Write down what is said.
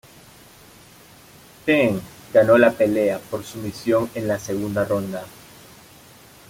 Penn ganó la pelea por sumisión en la segunda ronda.